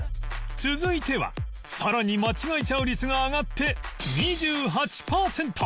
続いてはさらに間違えちゃう率が上がって２８パーセント